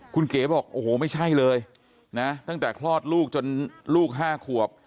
คุณเก๋บอกโอ้โหไม่ใช่เลยนะตั้งแต่คลอดลูกจนลูก๕ขวบ